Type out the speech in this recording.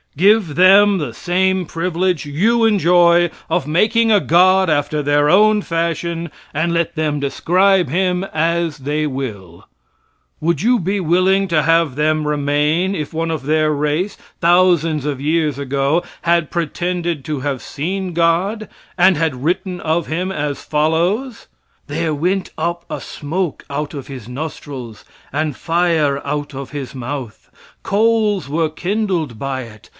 Give them the same privilege you enjoy of making a god after their own fashion, and let them describe him as they will. Would you be willing to have them remain, if one of their race, thousands of years ago, had pretended to have seen God, and had written of Him as follows: "There went up a smoke out of his nostrils, and fire out of his mouth; coals were kindled by it....